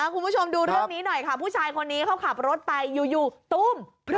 คุณผู้ชมดูเรื่องนี้หน่อยค่ะผู้ชายคนนี้เขาขับรถไปอยู่ตุ้ม